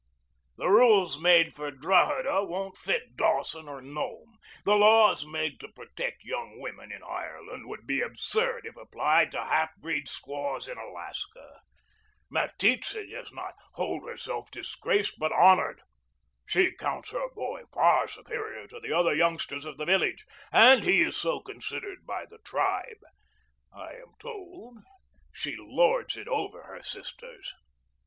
The rules made for Drogheda won't fit Dawson or Nome. The laws made to protect young women in Ireland would be absurd if applied to half breed squaws in Alaska. Meteetse does not hold herself disgraced but honored. She counts her boy far superior to the other youngsters of the village, and he is so considered by the tribe. I am told she lords it over her sisters."